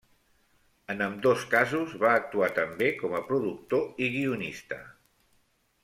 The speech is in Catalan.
En ambdós casos va actuar també com a productor i guionista.